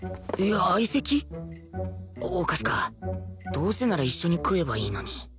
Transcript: どうせなら一緒に食えばいいのに